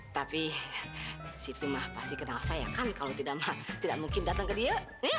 tapi si timah pasti kenal saya kan kalau tidak mah tidak mungkin datang ke dia